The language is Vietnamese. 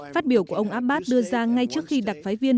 phát biểu của ông abbas đưa ra ngay trước khi đặc phái viên